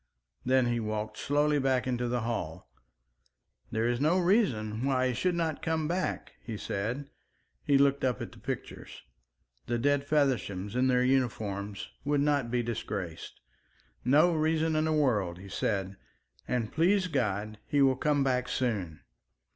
Then he walked slowly back into the hall. "There is no reason why he should not come back," he said. He looked up at the pictures. The dead Fevershams in their uniforms would not be disgraced. "No reason in the world," he said. "And, please God, he will come back soon."